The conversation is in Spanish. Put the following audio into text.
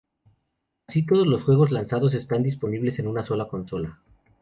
Así todos los juegos lanzados están disponibles en una sola consola.